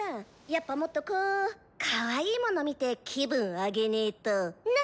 やっぱもっとこうかわいいもの見て気分上げねーとな。